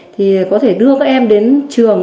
thì có thể đưa các em đến trường